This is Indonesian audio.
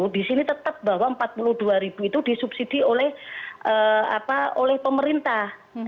disini tetap bahwa rp empat puluh dua itu disubsidi oleh pemerintah